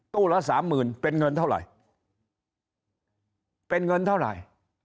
ละสามหมื่นเป็นเงินเท่าไหร่เป็นเงินเท่าไหร่